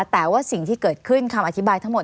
แต่ว่าสิ่งที่เกิดขึ้นคำอธิบายทั้งหมด